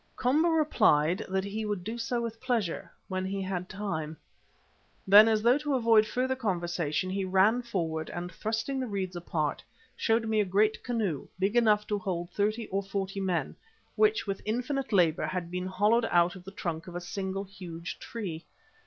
Komba replied that he would do so with pleasure when he had time. Then, as though to avoid further conversation he ran forward, and thrusting the reeds apart, showed me a great canoe, big enough to hold thirty or forty men, which with infinite labour had been hollowed out of the trunk of a single, huge tree.